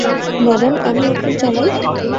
Madam, আমি এখন চালাই?